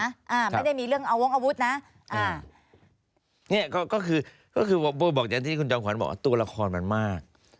อ่าไม่ได้มีเรื่องเอาวงอาวุธนะอ่าเนี้ยก็คือก็คือบอกอย่างที่คุณจอมขวัญบอกว่าตัวละครมันมาก